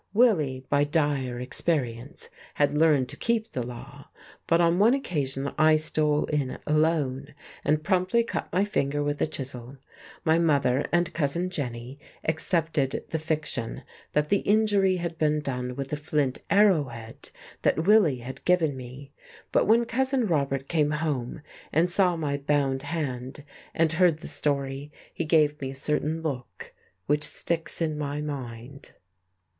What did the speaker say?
Willie, by dire experience, had learned to keep the law; but on one occasion I stole in alone, and promptly cut my finger with a chisel. My mother and Cousin Jenny accepted the fiction that the injury had been done with a flint arrowhead that Willie had given me, but when Cousin Robert came home and saw my bound hand and heard the story, he gave me a certain look which sticks in my mind.